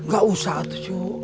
gak usah tuh cu